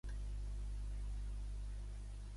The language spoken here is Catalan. Començà jugant com a saguer, però també jugava de davanter.